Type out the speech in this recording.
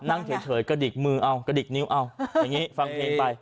นั่งเฉยกระดิกมือเอากระดิกนิ้วเอาอย่างนี้ฟังเพลงไป